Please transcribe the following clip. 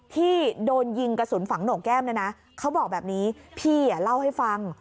ที่โดนยิงกระสุนฝังโหนกแก้มเนี่ยนะเขาบอกแบบนี้พี่เล่าให้ฟัง